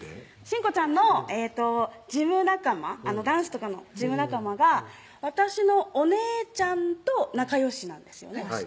真子ちゃんのジム仲間ダンスとかのジム仲間が私のお姉ちゃんと仲よしなんですよね